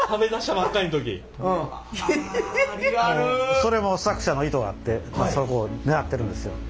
それも作者の意図があってそこをねらってるんですよ。